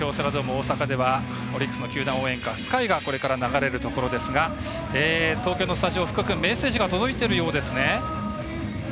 大阪ではオリックスの球団応援歌「ＳＫＹ」がこれから流れるところですが東京のスタジオ、福くんメッセージが届いているようですね。